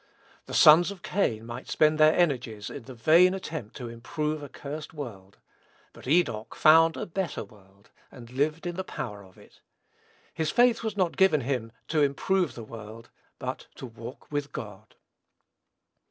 The sons of Cain might spend their energies in the vain attempt to improve a cursed world, but Enoch found a better world, and lived in the power of it. His faith was not given him to improve the world, but to walk with God.